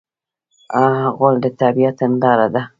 غول د طبعیت هنداره ده.